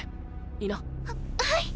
いいな？ははい。